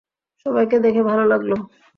সবাইকে দেখে ভাল লাগল।